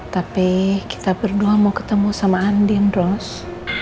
tapi kita berdua mau ketemu sama andin rose